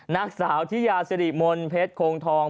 นักสาวที่ยาศรีมนต์เพชรโคงทอง